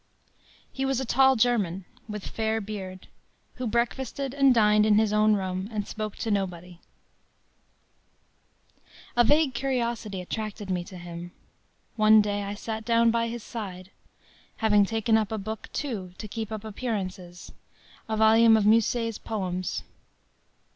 He was a tall German, with fair beard, who breakfasted and dined in his own room, and spoke to nobody. A vague, curiosity attracted me to him. One day, I sat down by his side, having taken up a book, too, to keep up appearances, a volume of Musset's poems.